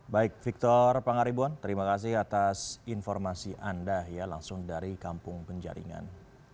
baik victor pangaribun terima kasih atas informasi anda ya langsung dari kampung penjaringan